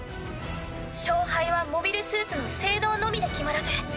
勝敗はモビルスーツの性能のみで決まらず。